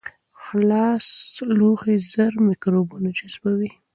خلاص لوښي ژر میکروبونه جذبوي.